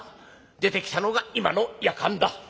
出てきたのが今のやかんだ。